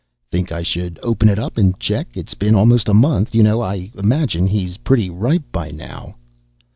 "Think I should open it up and check? It's been almost a month, you know. I imagine he's pretty ripe by now."